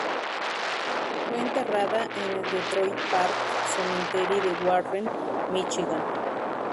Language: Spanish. Fue enterrada en el Detroit Park Cemetery de Warren, Michigan.